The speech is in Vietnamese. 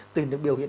từ những biểu hiện